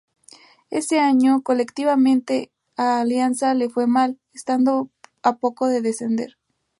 Ese año colectivamente a Alianza le fue mal, estando a poco de descender.